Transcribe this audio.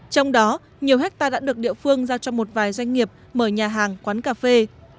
trong đó nhiều hectare đã được địa phương giao cho một vài doanh nghiệp mở nhà hàng quán cà phê